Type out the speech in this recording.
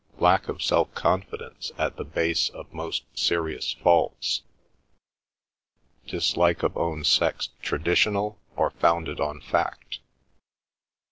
Lack of self confidence at the base of most serious faults. Dislike of own sex traditional, or founded on fact?